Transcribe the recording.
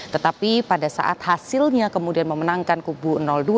tetapi pada saat hasilnya kemudian memenangkan kubu dua